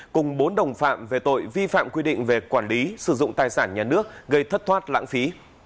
cùng bốn đồng phạm về tội vi phạm quy định về quản lý sử dụng tài sản nhà nước gây thất thoát lãng phí